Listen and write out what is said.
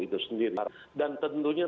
itu sendiri dan tentunya